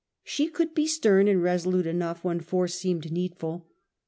She could be stern and resolute enough when force seemed needful.